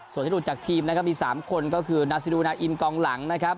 โสดที่ถูกจากทีมนะครับมีสามคนก็คือนาซิดุแนนอิ่นกล่องหลังนะครับ